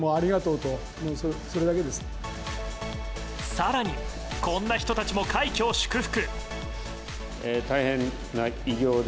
更に、こんな人たちも快挙を祝福。